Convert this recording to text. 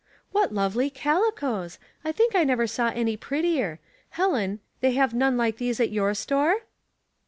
" What lovely calicoes ! I think I never saw any prettier. Helen, they have none like these at your store